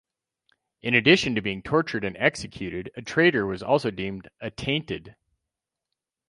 In addition to being tortured and executed, a traitor was also deemed "attainted".